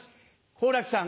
好楽さん